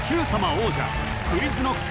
王者ＱｕｉｚＫｎｏｃｋ